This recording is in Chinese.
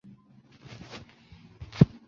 民国五年成立钟山县。